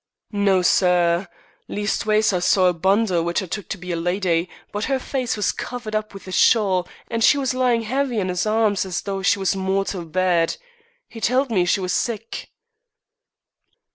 "No, sir. Leastways, I seed a bundle which I took to be a lydy, but her face was covered up with a shawl, and she was lyin' 'eavy in 'is arms as though she was mortal bad. He tell'd me she was sick."